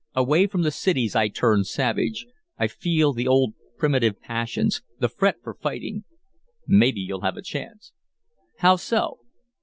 "Away from the cities I turn savage. I feel the old primitive passions the fret for fighting." "Mebbe you'll have a chance." "How so?"